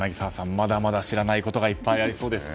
まだまだ知らないことがいっぱいありそうですね。